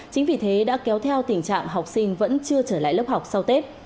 chính vì thế đã kéo theo tình trạng học sinh vẫn chưa trở lại lớp học sau tết